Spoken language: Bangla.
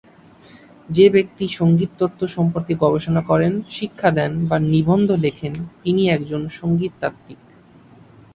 যে ব্যক্তি সংগীত তত্ত্ব সম্পর্কে গবেষণা করেন, শিক্ষা দেন বা নিবন্ধ লেখেন তিনি একজন সংগীত তাত্ত্বিক।